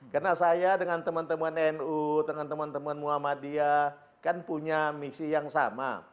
karena saya dengan teman teman nu dengan teman teman muhammadiyah kan punya misi yang sama